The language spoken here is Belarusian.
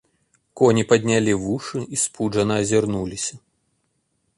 Коні паднялі вушы і спуджана азірнуліся.